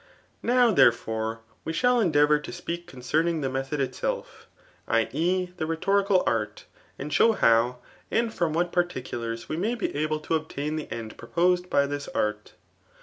Now, theiefiN*e, we shall endeavour to speak concenir ing the method itself, [i. e. the rhetorical art] and [showj koW) and from what particulars we may be able to obtun the ead proposed by this art.